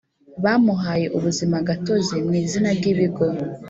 Bamuhaye ubuzimagatozi mu izina ry Ibigo